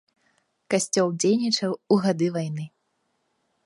Касцёл дзейнічаў у гады вайны.